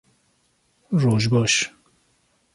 Roj baş